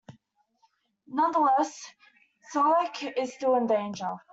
Nonetheless, Solek is still in danger.